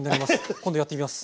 今度やってみます。